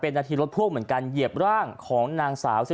นาทีรถพ่วงเหมือนกันเหยียบร่างของนางสาว